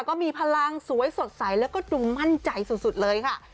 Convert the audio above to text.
ก็มีพลังสวยสดใสแล้วก็ดูมั่นใจสุดเลยค่ะ